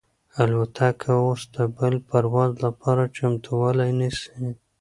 الوتکه اوس د بل پرواز لپاره چمتووالی نیسي.